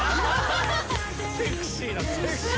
セクシー。